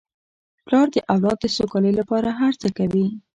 پلار د اولاد د سوکالۍ لپاره هر څه کوي.